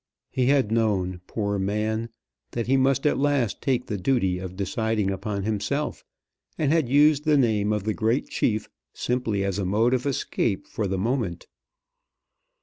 He had known, poor man, that he must at last take the duty of deciding upon himself, and had used the name of the great chief simply as a mode of escape for the moment.